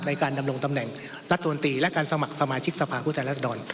ในการดำรงตำแหน่งรัฐมนตรีและการสมัครสมาชิกสภาพผู้แทนรัศดร